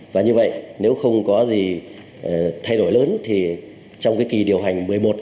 và như vậy nếu không có gì thay đổi lớn thì trong cái kỳ điều hành